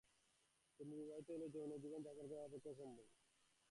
কিন্তু বিবাহিত হইলেও যৌন-জীবন যাপন করা আমার পক্ষে অসম্ভব।